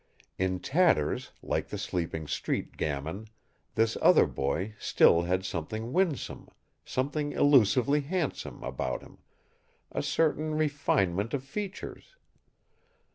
In tatters, like the sleeping street gamin, this other boy still had something winsome, something elusively handsome, about him, a certain refinement of features.